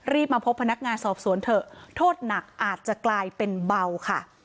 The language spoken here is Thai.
มาพบพนักงานสอบสวนเถอะโทษหนักอาจจะกลายเป็นเบาค่ะ